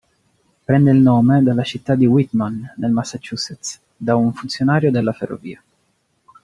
Prende il nome dalla città di Whitman, nel Massachusetts, da un funzionario della ferrovia.